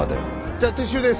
じゃ撤収です。